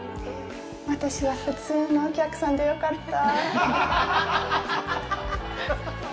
私は普通のお客さんでよかった。